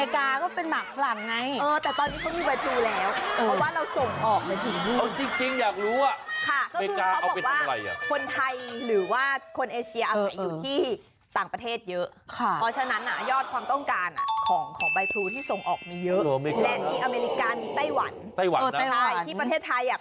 เขาบอกว่ายอดส่งภูไปอเมริกาเยอะมาก